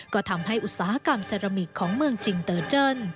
ก็ทำให้อุตสาหกรรมเซรามิกของเมืองจิงเตอร์เจิ้น